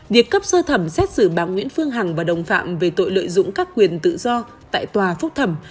việc cấp sơ thẩm xét xử bà nguyễn phương hằng và đồng phạm về tội lợi dụng các quyền tự do tại tòa phúc thẩm